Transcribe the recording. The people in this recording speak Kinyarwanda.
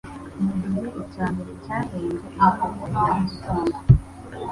Mugihe icyambere cyahembye inyenyeri ya mugitondo,